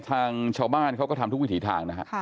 ทางชาวบ้านเขาก็ทำทุกวิถีทางนะฮะ